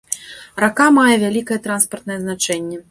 Рака мае вялікае транспартнае значэнне.